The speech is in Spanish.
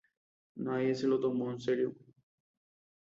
Nadie se lo tomó en serio.